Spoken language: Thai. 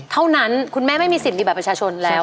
เท่านั้นคุณแม่ไม่มีสิทธิ์ในบัตรประชาชนแล้ว